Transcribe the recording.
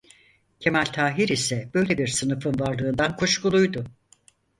Kemal Tahir ise böyle bir sınıfın varlığından kuşkuluydu.